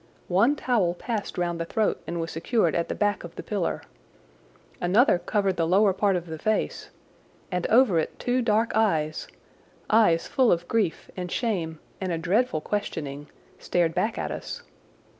One towel passed round the throat and was secured at the back of the pillar. Another covered the lower part of the face, and over it two dark eyes—eyes full of grief and shame and a dreadful questioning—stared back at us.